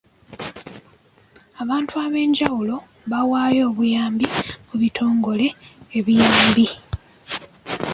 Abantu ab'enjawulo bawaayo obuyambi mu bitongole ebiyambi.